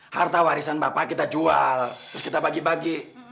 harta warisan bapak kita jual terus kita bagi bagi